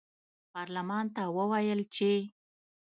پارلمان ته وویل چې